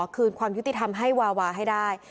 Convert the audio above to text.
คืนความยุติธรรมให้วาวาให้ได้